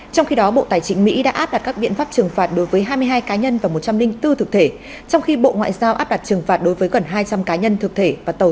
trong khi đó bộ tài chính mỹ đã áp đặt các biện pháp trừng phạt đối với hai mươi hai cá nhân và một trăm linh bốn thực thể trong khi bộ ngoại giao áp đặt trừng phạt đối với gần hai trăm linh cá nhân thực thể